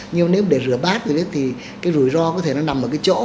nhưng mà nếu để rửa bát thì cái rủi ro có thể nó nằm ở cái chỗ